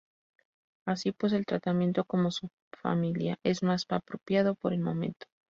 Así pues, el tratamiento como subfamilia es más apropiado por el momento.